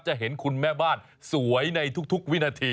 จะเห็นคุณแม่บ้านสวยในทุกวินาที